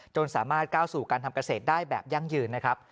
สามารถก้าวสู่การทำเกษตรได้แบบยั่งยืนนะครับ